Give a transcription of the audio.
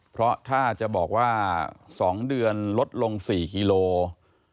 เพราะถ้าจะบอกว่า๒เดือนลดลง๔กิโลกรัม